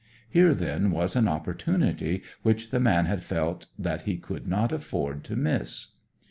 Here then was an opportunity which the man had felt that he could not afford to miss.